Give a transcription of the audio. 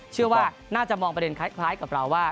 เชื่อว่าน่าจะมองประเด็นคล้ายกับเราว่า